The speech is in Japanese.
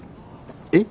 えっ？